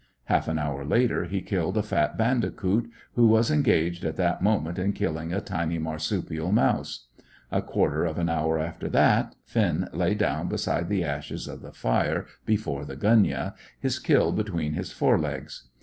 Half an hour later he killed a fat bandicoot, who was engaged at that moment in killing a tiny marsupial mouse. A quarter of an hour after that, Finn lay down beside the ashes of the fire before the gunyah, his kill between his fore legs.